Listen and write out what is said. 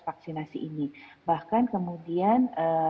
vaksinasi ini bahkan kemudian